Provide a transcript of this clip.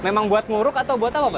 memang buat muruk atau buat apa pak